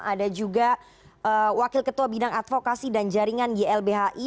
ada juga wakil ketua bidang advokasi dan jaringan ylbhi